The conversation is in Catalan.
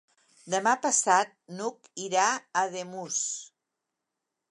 Demà passat n'Hug irà a Ademús.